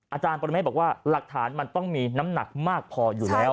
อาจารย์ปรเมฆบอกว่าหลักฐานมันต้องมีน้ำหนักมากพออยู่แล้ว